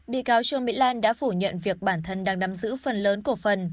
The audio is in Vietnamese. bị cáo trương mỹ lan đã phủ nhận việc bản thân đang nắm giữ phần lớn cổ phần